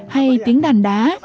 hay tiếng đàn đá